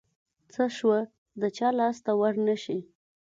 څه شوه د چا لاس ته ورنشي.